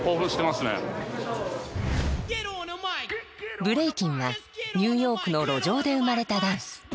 ブレイキンはニューヨークの路上で生まれたダンス。